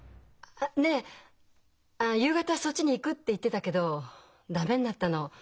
あっねえ「夕方そっちに行く」って言ってたけど駄目になったの。